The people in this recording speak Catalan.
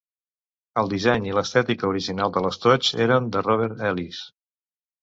El disseny i l'estètica original de l'estoig eren de Robert Ellis.